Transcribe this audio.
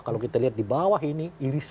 kalau kita lihat di bawah ini irisan